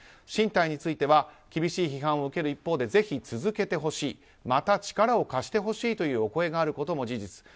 進退については厳しい批判を受ける一方でぜひ続けてほしいまた力を貸してほしいというお声もあることも事実。